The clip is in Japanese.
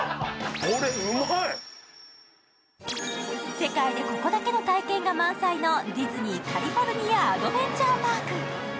世界でここだけの体験が満載のディズニー・カリフォルニア・アドベンチャー・パーク。